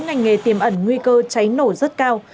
ngành nghề tiềm ẩn nguy cơ cháy nổ rất cao